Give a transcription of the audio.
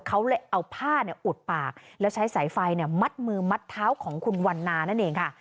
เขาเลยเอาผ้าอุดปากแล้วใช้สายไฟมัดมือมัดเท้าของคุณวันนานั่นเองค่ะ